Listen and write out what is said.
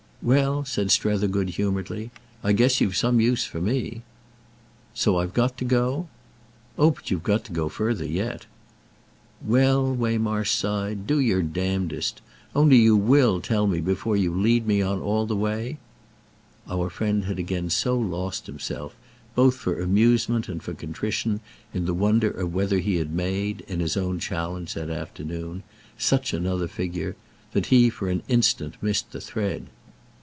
"Well," said Strether, good humouredly, "I guess you've some use for me." "So I've got to go?" "Oh you've got to go further yet." "Well," Waymarsh sighed, "do your damnedest! Only you will tell me before you lead me on all the way—?" Our friend had again so lost himself, both for amusement and for contrition, in the wonder of whether he had made, in his own challenge that afternoon, such another figure, that he for an instant missed the thread.